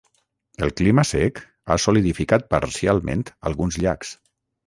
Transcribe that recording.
El clima sec ha solidificat parcialment alguns llacs.